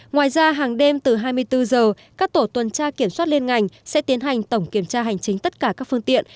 ngoài ra hàng đêm từ hai mươi bốn giờ các tổ tuần tra kiểm soát liên ngành sẽ tiến hành tổng kiểm tra hành chính tất cả các phương tiện